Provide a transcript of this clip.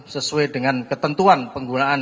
sesuai dengan ketentuan penggunaan